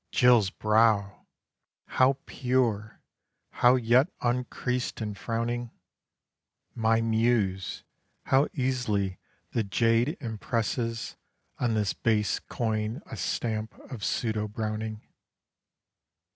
Jill's brow! How pure; how yet uncreased in frowning. (My Muse! How easily the jade impresses On this base coin a stamp of pseudo Browning.)